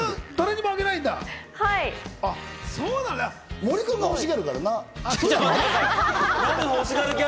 森君が欲しがるからな。